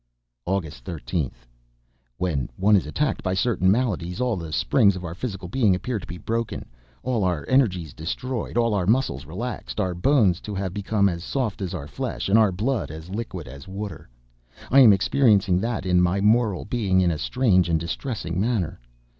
August 13th. When one is attacked by certain maladies, all the springs of our physical being appear to be broken, all our energies destroyed, all our muscles relaxed, our bones to have become as soft as our flesh, and our blood as liquid as water. I am experiencing that in my moral being in a strange and distressing manner.